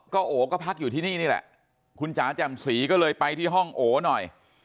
ก็โอก็พักอยู่ที่นี่นี่แหละคุณจ๋าแจ่มสีก็เลยไปที่ห้องโอหน่อย